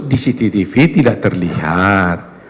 di cctv tidak terlihat